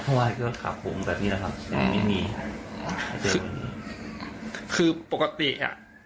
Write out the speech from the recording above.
ถ้าว่าก็ขับผมแบบนี้แหละครับไม่มีคือคือปกติอ่ะ